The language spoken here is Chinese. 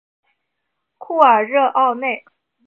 库尔热奥内。